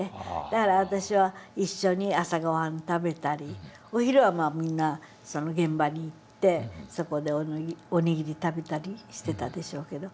だから私は一緒に朝ごはん食べたりお昼はみんな現場に行ってそこでお握り食べたりしてたでしょうけど。